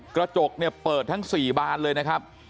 กระจกเนี่ยเปิดทั้ง๔บานเลยนะครับ